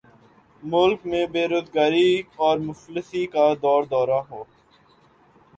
ملک میں بیروزگاری اور مفلسی کا دور دورہ ہو